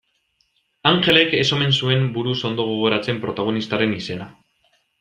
Anjelek ez omen zuen buruz ondo gogoratzen protagonistaren izena.